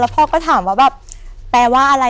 พ่อก็ถามว่าแบบแปลว่าอะไร